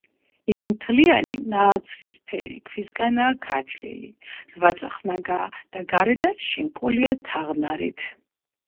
იგი მთლიანი ნაცრისფერი ქვისგანაა გათლილი, რვაწახნაგაა და გარედან შემკულია თაღნარით.